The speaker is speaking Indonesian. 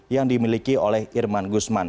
yang dimiliki oleh irman guzman